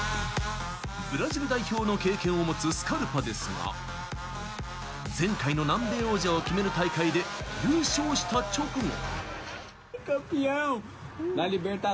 ブラジル代表の経験を持つスカルパですが、前回の南米王者を決める大会で優勝した直後。